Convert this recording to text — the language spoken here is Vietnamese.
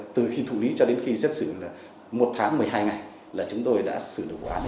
từ khi thụ lý cho đến khi xét xử